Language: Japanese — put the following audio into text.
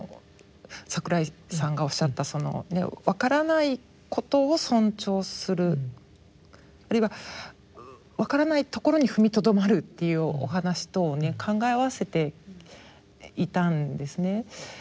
わからないことを尊重するあるいはわからないところに踏みとどまるっていうお話とをね考えあわせていたんですね。